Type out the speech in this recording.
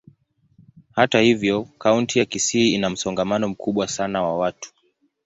Hata hivyo, kaunti ya Kisii ina msongamano mkubwa sana wa watu.